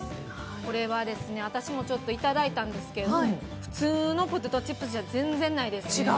これは私もいただいたんですけど普通のポテトチップスじゃ全然ないです。